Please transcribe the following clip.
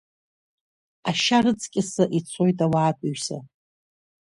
Ашьа рыҵкьаса ицоит ауаатәыҩса.